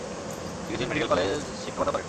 তিনি কিছুদিন medical college শিক্ষকতাও করেন ।